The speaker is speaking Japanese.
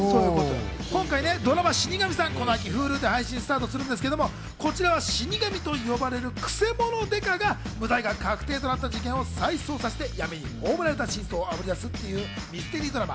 今回、ドラマ『死神さん』、Ｈｕｌｕで配信されるんですけれども、死神と呼ばれるくせ者デカが無罪が確定となった事件を再捜査して闇に葬られた真相をあぶり出していくというミステリードラマ。